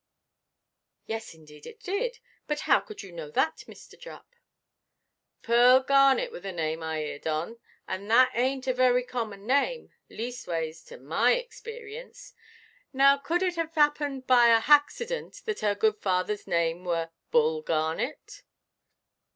"Yes, indeed it did. But how could you know that, Mr. Jupp?" "Pearl Garnet were the name I 'earʼd on, and that ainʼt a very common name, leastways to my experience. Now, could it 'ave 'appened by a haxident that her good fatherʼs name were Bull Garnet?"